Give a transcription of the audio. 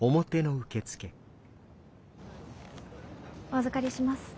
お預かりします。